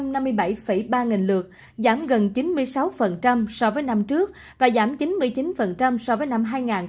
một trăm năm mươi bảy ba nghìn lượt giảm gần chín mươi sáu so với năm trước và giảm chín mươi chín so với năm hai nghìn một mươi chín